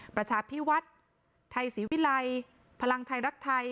ประชาพิวัฒน์ไทยศรีวิลัยพลังไทยรักไทย